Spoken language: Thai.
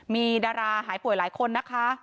มีดาราหายป่วยหลายคนนะคะ